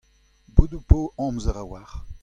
Bez' ho po amzer a-walc'h.